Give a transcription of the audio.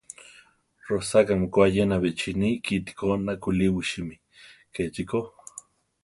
Rosakámi ko ayena bichíni kiti ko nakúliwisimi; kechi ko.